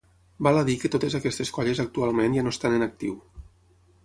Val a dir que totes aquestes colles actualment ja no estan en actiu.